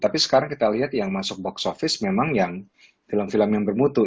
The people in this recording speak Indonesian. tapi sekarang kita lihat yang masuk box office memang yang film film yang bermutu